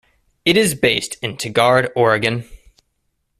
It is based in Tigard, Oregon.